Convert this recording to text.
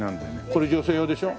これ女性用でしょ？